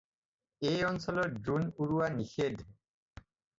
এই অঞ্চলত ড্ৰ'ন উৰোৱা নিষেধ।